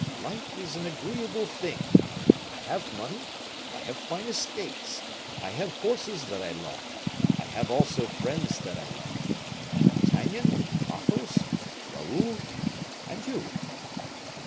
Life is an agreeable thing. I have money; I have fine estates; I have horses that I love; I have also friends that I love: D'Artagnan, Athos, Raoul, and you."